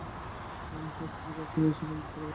আমি সস্ত্রীক আশ্রয় নিয়েছিলুম দোতলার ঘরে।